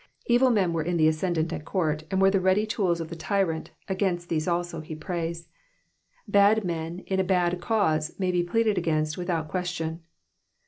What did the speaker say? Evil men were in the ascendant at court, and were the ready tools of the tyrant, against these also he prays. Bad men in a bad cause may be pleaded against without question.